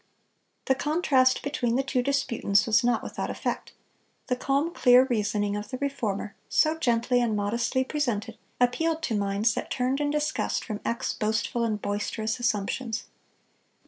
(263) The contrast between the two disputants was not without effect. The calm, clear reasoning of the Reformer, so gently and modestly presented, appealed to minds that turned in disgust from Eck's boastful and boisterous assumptions.